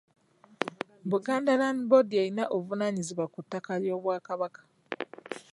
Buganda Land Board y’erina obuvunaanyizibwa ku ttaka ly'Obwakabaka.